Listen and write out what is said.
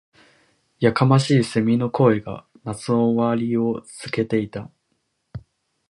•やかましい蝉の声が、夏の終わりを告げていた。